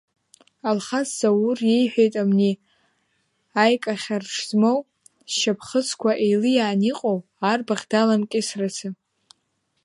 Алхас Заур иеиҳәеит абни аикахьарҽ змоу, зшьапхыцқәа еилиаан иҟоу арбаӷь даламкьысрацы.